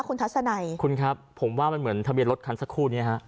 คุณทัศนัยคุณครับผมว่ามันเหมือนทะเบียนรถคันสักครู่นี้ฮะ